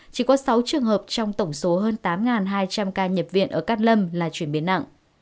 chỉ có sáu trường hợp trong tổng số hơn tám hai trăm linh ca nhập viện ở cát lâm là chuyển biến nặng